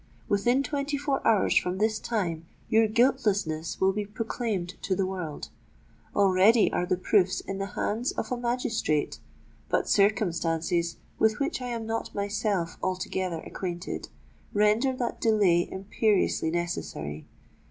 Within twenty four hours from this time your guiltlessness will be proclaimed to the world. Already are the proofs in the hands of a magistrate but circumstances, with which I am not myself altogether acquainted, render that delay imperiously necessary.